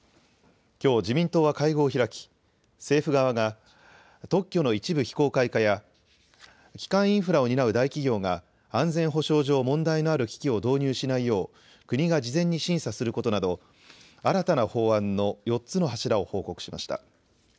きょう自民党は会合を開き、政府側が、特許の一部非公開化や、基幹インフラを担う大企業が安全保障上問題のある機器を導入しないよう、国が事前に審査することなど、新たな法案の４つの柱を報告しました。